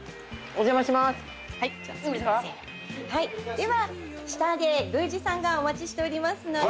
では下で宮司さんがお待ちしておりますので。